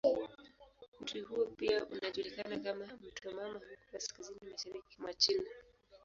Mto huo pia unajulikana kama "mto mama" huko kaskazini mashariki mwa China.